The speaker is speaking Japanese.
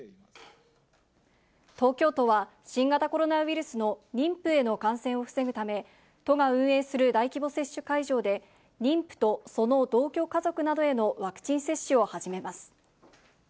東京都は、新型コロナウイルスの妊婦への感染を防ぐため、都が運営する大規模接種会場で、妊婦とその同居家族などへのワクチン接種を始めます。